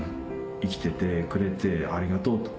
生きててくれてありがとうと。